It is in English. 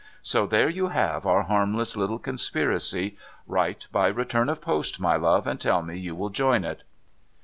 So there you have our harmless little conspiracy ! ^^'rite by return of post, my love, and tell me you will join it.'